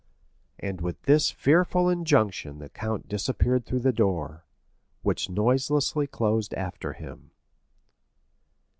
And with this fearful injunction the count disappeared through the door, which noiselessly closed after him.